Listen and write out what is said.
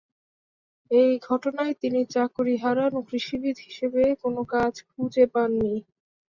এ ঘটনায় তিনি চাকুরী হারান ও কৃষিবিদ হিসেবে কোন কাজ খুঁজে পাননি।